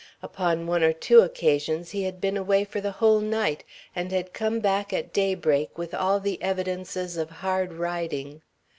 Upon one or two occasions he had been away for the whole night and had come back at daybreak with all the evidences of hard riding.